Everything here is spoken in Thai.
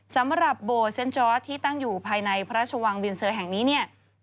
สำหรับโบเซ็นต์จอร์ดที่ตั้งอยู่ภายในพระราชวังบินเซอร์แห่งนี้เนี่ย